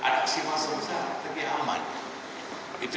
pasti mahal itu